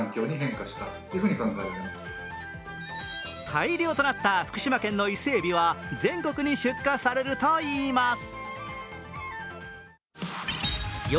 大漁となった福島県の伊勢えびは全国に出荷されるといいます。